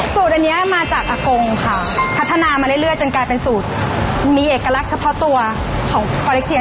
สูตรอันนี้มาจากอากงค่ะพัฒนามาเรื่อยจนกลายเป็นสูตรมีเอกลักษณ์เฉพาะตัวของปอเล็กเชีย